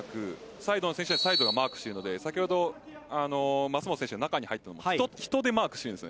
サイドの選手にはサイドがマークしているので先ほど舛本選手が中に入ったときも人でマークしています。